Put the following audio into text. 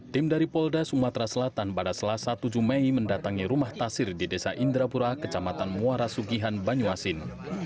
tim dari polda sumatera selatan pada selasa tujuh mei mendatangi rumah tasir di desa indrapura kecamatan muara sugihan banyuasin